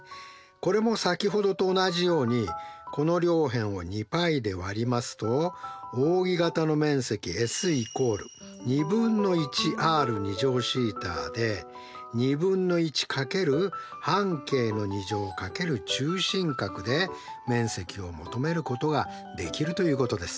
これも先ほどと同じようにこの両辺を２πで割りますとおうぎ形の面積Ｓ＝２分の１ｒθで２分の１×半径の２乗×中心角で面積を求めることができるということです。